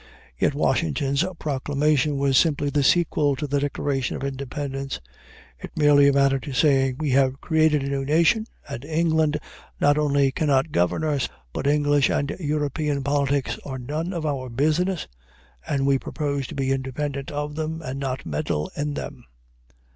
Yet Washington's proclamation was simply the sequel to the Declaration of Independence. It merely amounted to saying: We have created a new nation, and England not only cannot govern us, but English and European politics are none of our business, and we propose to be independent of them and not meddle in them.